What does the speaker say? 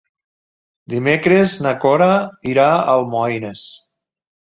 Dimecres na Cora irà a Almoines.